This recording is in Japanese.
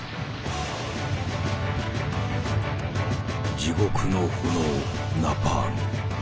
地獄の炎ナパーム。